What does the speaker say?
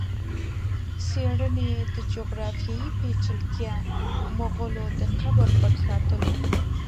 څېړني یې د جغرافیایي پېچلتیا، مغولو د قبر پټ ساتلو